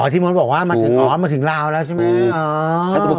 อ๋อที่มนต์บอกว่าอ๋อมันถึงลาวแล้วใช่ไหม